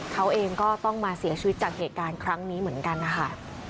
เขาเองก็ต้องมาเสียชีวิตจากเหตุการณ์ครั้งนี้เหมือนกันนะคะ